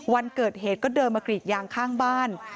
วันเกิดเหตุก็เดินมากรีดยางข้างบ้าน